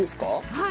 はい。